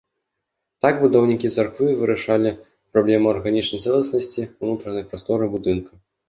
Так будаўнікі царквы вырашалі праблему арганічнай цэласнасці ўнутранай прасторы будынка.